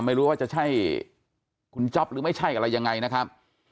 ไม่รู้ว่าจะใช่คุณจ๊อปหรือไม่ใช่อะไรยังไงนะครับ